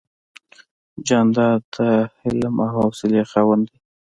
جانداد د حلم او حوصلې خاوند دی.